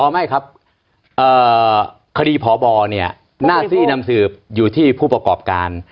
ไม่ครับคดีพบเนี่ยหน้าที่นำสืบอยู่ที่ผู้ประกอบการ